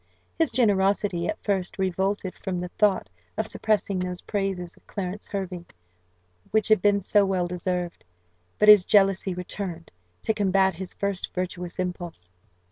His generosity at first revolted from the thought of suppressing those praises of Clarence Hervey, which had been so well deserved; but his jealousy returned, to combat his first virtuous impulse.